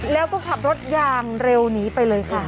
แล้วก็ขับรถอย่างเร็วหนีไปเลยค่ะ